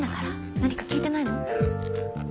何か聞いてないの？